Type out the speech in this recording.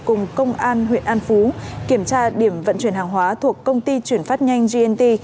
cùng công an huyện an phú kiểm tra điểm vận chuyển hàng hóa thuộc công ty chuyển phát nhanh gnt